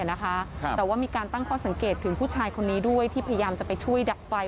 แต่ว่ามีการตั้งข้อสังเกตถึงผู้ชายคนนี้ด้วยที่พยายามจะไปช่วยดับไฟ